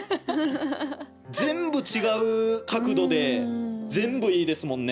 全部違う角度で全部いいですもんね。